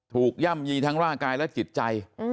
ย่ำยีทั้งร่างกายและจิตใจ